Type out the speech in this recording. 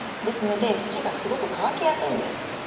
ですので土がすごく乾きやすいんです。